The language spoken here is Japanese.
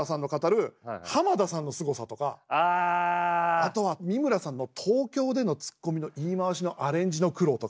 あとは三村さんの東京でのツッコミの言い回しのアレンジの苦労とか。